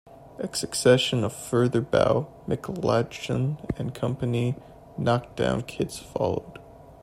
A succession of further Bow, McLachlan and Company "knock down" kits followed.